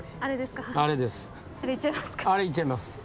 あれいっちゃいますか？